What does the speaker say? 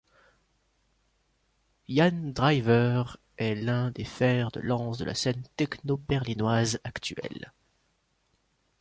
Jan Driver est l'un des fers de lance de la scène techno berlinoise actuelle.